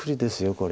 これ。